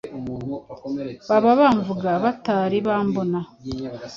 Baba bamvuga batari bambona,